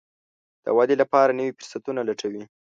د ودې لپاره نوي فرصتونه لټوي.